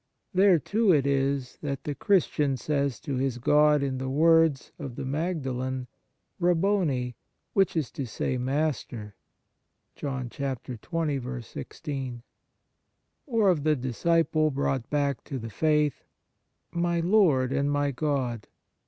..." J There, too, it is that the Christian says to his God in the words of the Magdalene, " Rabboni (which is to say, Master)," § or of the disciple brought back to the faith :" My Lord, and my God."